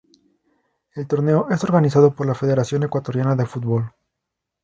El torneo es organizado por la Federación Ecuatoriana de Fútbol.